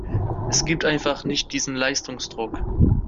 Es gibt einfach nicht diesen Leistungsdruck.